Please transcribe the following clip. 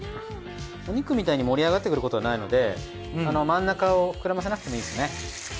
お肉みたいに盛り上がってくることはないので真ん中を膨らませなくてもいいですね。